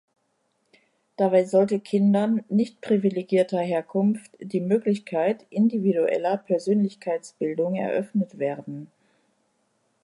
Dabei sollte Kindern nicht-privilegierter Herkunft die Möglichkeit individueller Persönlichkeitsbildung eröffnet werden.